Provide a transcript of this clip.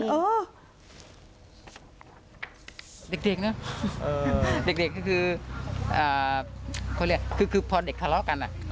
เด็กนะเด็กก็คือพ่อเด็กทะเลาะกัน